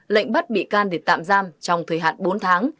lệnh bắt bị can để tạm giam trong thời hạn bốn tháng